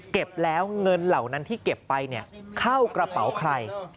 เก็บแล้วเงินเหล่านั้นที่เก็บไปเข้ากระเป๋าใคร